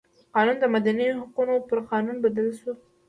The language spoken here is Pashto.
قانون د مدني حقونو پر قانون بدل شو.